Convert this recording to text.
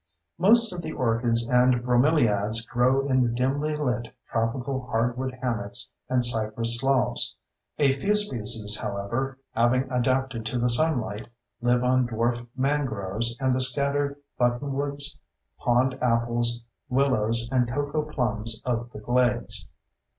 Most of the orchids and bromeliads grow in the dimly lit tropical hardwood hammocks and cypress sloughs. A few species, however, having adapted to the sunlight, live on dwarf mangroves and the scattered buttonwoods, pond apples, willows, and cocoplums of the glades.